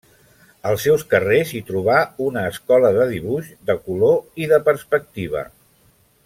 Als seus carrers hi trobà una escola de dibuix, de color i de perspectiva.